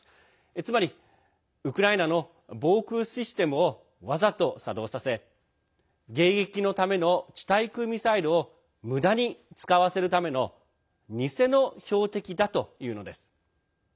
つまり、ウクライナの防空システムを、わざと作動させ迎撃のための地対空ミサイルをむだに使わせるための「偽の標的」だというのです。